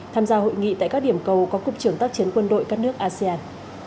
tham gia hội nghị tại các điểm cầu có cục trưởng tác chiến quân đội các nước asean